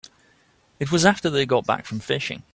It was after they got back from fishing.